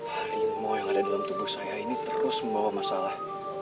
harimau yang ada dalam tubuh saya ini terus membawa masalah